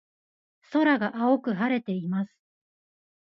空が青く晴れています。